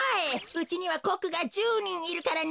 うちにはコックが１０にんいるからね。